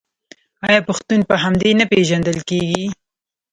آیا پښتون په همدې نه پیژندل کیږي؟